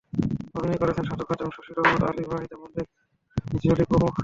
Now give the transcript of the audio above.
অভিনয় করেছেন সাজু খাদেম, শশী, রহমত আলী, ওয়াহিদা মল্লিক জলি প্রমুখ।